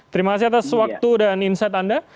terima kasih atas waktu dan insight anda